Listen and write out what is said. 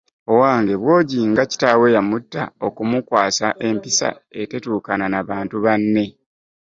Owange, Bwogi nga Kitaawe yamutta okumukwasa empisa etetuukana na bantu banne.